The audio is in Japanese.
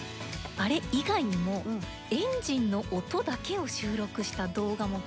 あれ以外にもエンジンの音だけを収録した動画も公開していて。